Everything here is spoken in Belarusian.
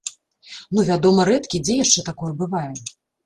Ну вядома рэдкі, дзе яшчэ такое бывае.